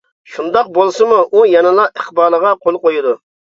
شۇنداق بولسىمۇ، ئۇ يەنىلا ئىقبالغا قول قويىدۇ.